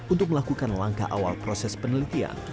untuk melakukan langkah awal proses penelitian